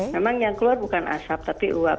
memang yang keluar bukan asap tapi uap